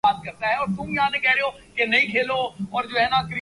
Jio entertainment اور جیو تیز نے اسلامی پروگراموں کو خصوصی طور پر نشر کیا